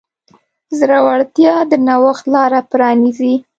زړورتیا د نوښت لاره پرانیزي.